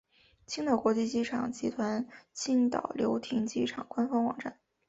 青岛国际机场集团青岛流亭机场官方网站